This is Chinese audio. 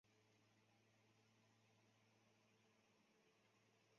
繁体中文版本由台湾青文出版社代理发行。